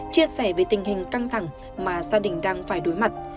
chia sẻ về tình hình căng thẳng mà gia đình đang phải đối mặt